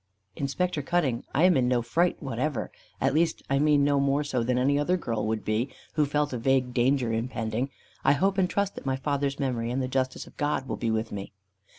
"Inspector Cutting, I am in no fright whatever. At least I mean no more so than any other girl would be, who felt a vague danger impending. I hope and trust that my father's memory and the justice of God will be with me."